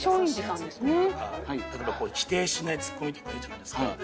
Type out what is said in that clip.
例えば否定しないツッコミとか言うじゃないですか。